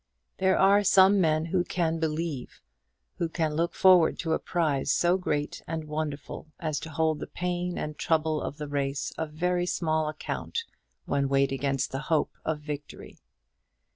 There are some men who can believe, who can look forward to a prize so great and wonderful as to hold the pain and trouble of the race of very small account when weighed against the hope of victory.